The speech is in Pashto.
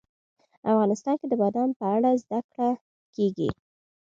افغانستان کې د بادام په اړه زده کړه کېږي.